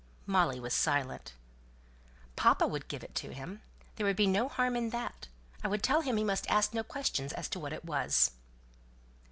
Molly was silent. "Papa would give it to him. There would be no harm in that. I would tell him he must ask no questions as to what it was."